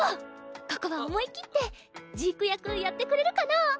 ここは思い切ってジーク役やってくれるかな？